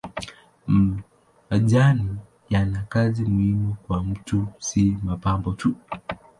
Majani yana kazi muhimu kwa mti si mapambo tu.